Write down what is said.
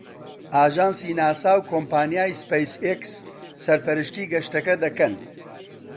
ئاژانسی ناسا و کۆمپانیای سپەیس ئێکس سەرپەرشتی گەشتەکە دەکەن.